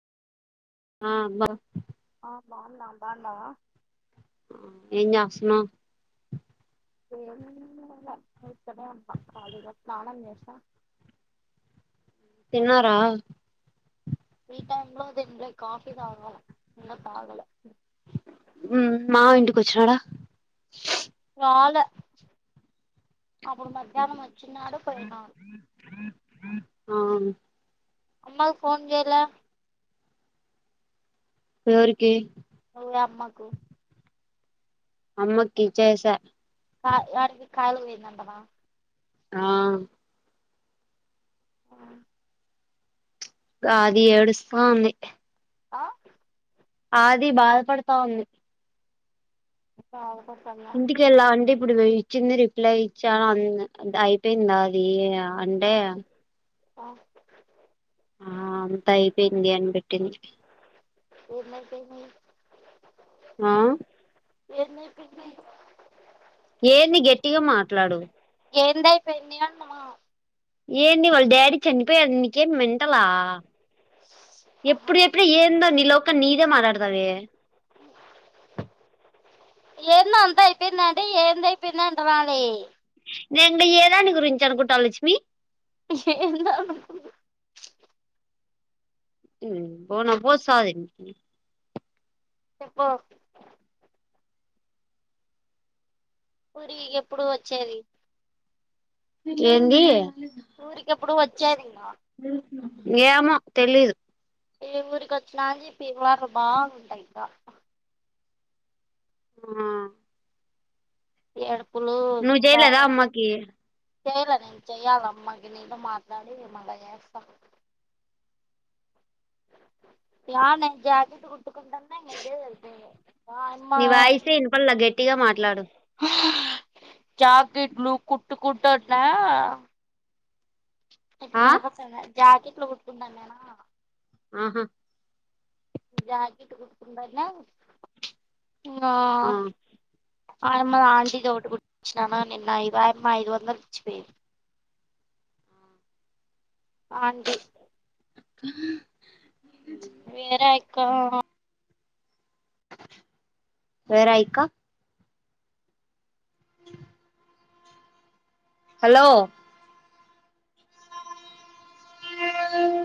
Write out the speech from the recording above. ఆ బ ఆ బాగున్నా బాగున్నావ ఏం జెస్తున్నావ్ ఏ ఇక్కడ అ కాళగా పలాను అన్వేష తిన్నారా ఫ్రీ టైం లో అది ఇంట కాఫీ తాగల ఎన్న తాగాలే మ్మ్ మావ ఇంటికి వచ్చినడా రాలె అప్పుడు మధ్యాహ్నం వచ్చినడు పోయినాడు ఆ అమ్మా కీ ఫన్ చేయలే ఎవరికి మీ అమ్మకు అమ్మకి ఇచ్చేసా కా ఏడికి కాలు పోయిందంటనా ఆ అహ అది ఏడుస్తా ఉంది ఆ అది బాధపడతా ఉంది బాధపడతా ఇంటికెళ్ళా అంటే ఇప్పుడు ఇచ్చింది రిప్లై ఇచ్చా అంది అయిపోయిందా అది అంటే ఆహ ఆ అంతా అయిపోయింది అని పెట్టింది ఏందైపోయింది ఆ ఏం చెప్పింది నీకు ఏన్ని గట్టిగా మాట్లాడు ఏంది అయిపోయింది అంటున్నా ఏంది వాళ్ళ డాడీ చనిపోయాడు నీకేం మెంటలా ఆహా ఎప్పుడు ఎప్పుడ ఏందో నీ లోక నీదే మాట్లాడతావే ఏంది అంత అయిపోయింద అంటే ఏంది అయిపోయిందంట అనే నేను ఏదాని గురించి అనుకుంటా లక్ష్మి ఏ [inaudible] హు పోనా పోజ సదా నికి చెప్పు ఊరి ఎప్పుడు వచ్చేది ఏంది ఊరికి ఎప్పుడు వచ్చేది మా ఏమో తెలియదు ఏ ఊరికి వచ్చినాని చెప్పి వాటర్ బాగుగుంటాయి ఇంకా ఆ ఏడ నువ్వు జయలేదా అమ్మాకి చేయలే నేను చెయ్యాల అమ్మాకి నీతో మాట్లాడి మల్ల చేస్తా ఏడ నే జాకెట్ కుట్టుకుంటున్న ఇంగ ఇదే సరిపోయింది ఆయమ్మ నీ వాయిస్ ఇనపల్లె గట్టిగా మాట్లాడు జాకిట్లు కుట్టుకుంటున్న ఎప్పుడు ఆ ఇనపడుతోందా జాకెట్ లు కుట్టుకుంటున్నా ఉహు జాకట్ కుట్టుకుంటున్నా ఆ అ ఆమ్మ ఆంటీ దోటి కుట్టిచ్చిననా నిన్న ఐ అమ్మ ఐదు వందలు ఇచ్చిపోయింది అంటి [unintelligible] వేర ఎక్కువ వేర ఇంకా [inaudible] హాల్లో ఆ [inaudible]